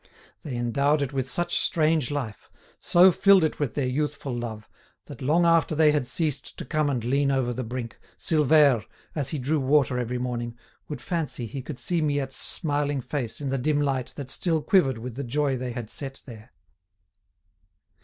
They endowed it with such strange life, so filled it with their youthful love, that, long after they had ceased to come and lean over the brink, Silvère, as he drew water every morning, would fancy he could see Miette's smiling face in the dim light that still quivered with the joy they had set there.